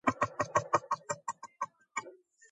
ვაჩნაძის თხზულება დაიწერა ოდიშში, ლევან დადიანის კარზე.